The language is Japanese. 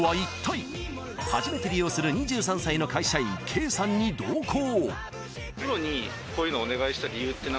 ［初めて利用する２３歳の会社員Ｋさんに同行］